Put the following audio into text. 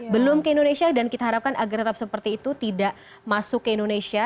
belum ke indonesia dan kita harapkan agar tetap seperti itu tidak masuk ke indonesia